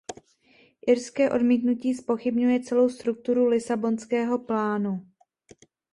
Irské odmítnutí zpochybňuje celou strukturu lisabonského plánu.